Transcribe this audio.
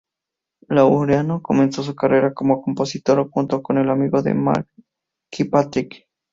Laureano comenzó su carrera como compositor, junto con el amigo de Mark Kilpatrick.